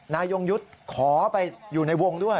ยงยุทธ์ขอไปอยู่ในวงด้วย